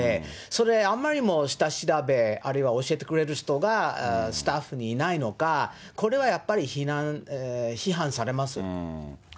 それ、あまりにも下調べ、しかも教えてくれる人がスタッフにいないのか、これはやっぱり批判されます。